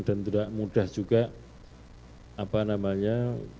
dan tidak mudah juga apa namanya